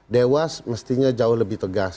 dewas mestinya jauh lebih tegas